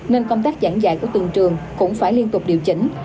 nên công tác giảng dạy của từng trường cũng phải liên tục điều chỉnh